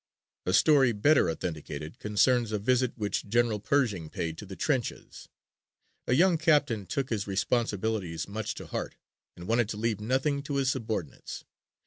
A story better authenticated concerns a visit which General Pershing paid to the trenches. A young captain took his responsibilities much to heart and wanted to leave nothing to his subordinates.